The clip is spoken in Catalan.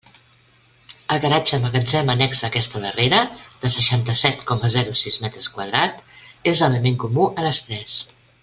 El garatge magatzem annex a aquesta darrera, de seixanta-set coma zero sis metres quadrats, és element comú a les tres.